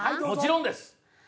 もちろんです。